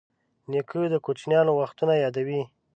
نیکه د کوچیانو وختونه یادوي.